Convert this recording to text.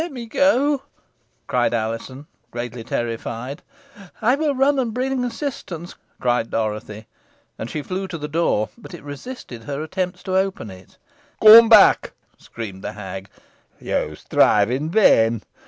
"Let me go," cried Alizon, greatly terrified. "I will run and bring assistance," cried Dorothy. And she flew to the door, but it resisted her attempts to open it. "Come back," screamed the hag. "You strive in vain.